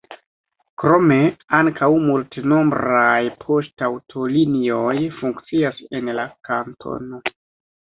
Krome ankaŭ multnombraj poŝtaŭtolinioj funkcias en la kantono.